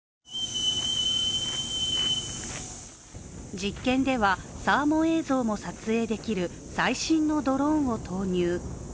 実験ではサーモ映像も撮影できる最新のドローンを投入。